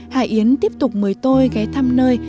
hải yến tiếp tục mời tôi ghé thăm nơi